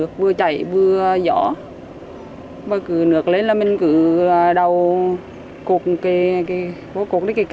cái cây bơ cửa nực lên là mình cửa lên thôi